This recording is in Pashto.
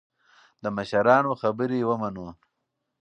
د مشرانو خبرې ومنو.